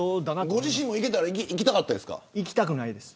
ご自身も行けたら行きたいですか。